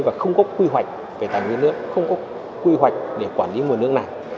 và không có quy hoạch về tài nguyên nước không có quy hoạch để quản lý nguồn nước này